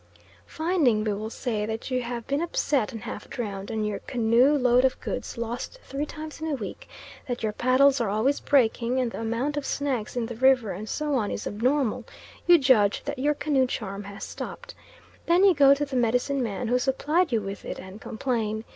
Finding, we will say, that you have been upset and half drowned, and your canoe load of goods lost three times in a week, that your paddles are always breaking, and the amount of snags in the river and so on is abnormal, you judge that your canoe charm has stopped. Then you go to the medicine man who supplied you with it and complain.